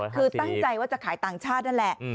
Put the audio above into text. คือตั้งใจว่าจะขายต่างชาตินั่นแหละ